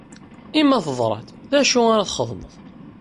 I ma teḍra-d, d acu ara txedmeḍ?